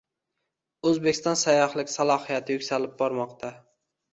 O‘zbekiston sayyohlik salohiyati yuksalib bormoqda